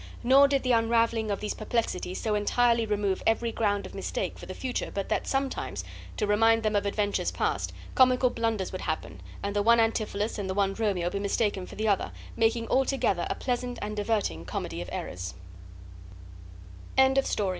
Nor did the unraveling of these perplexities so entirely remove every ground of mistake for the future but that sometimes, to remind them of adventures past, comical blunders would happen, and the one Antipholus, and the one Dromio, be mistaken for the other, making altogether a pleasant and diverting Comedy of Er